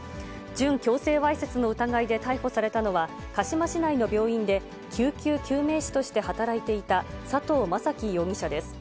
準強制わいせつの疑いで逮捕されたのは、鹿嶋市内の病院で救急救命士として働いていた佐藤将樹容疑者です。